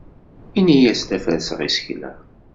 Ini-as la ferrseɣ isekla.